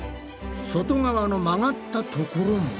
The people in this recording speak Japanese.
外側の曲がったところも。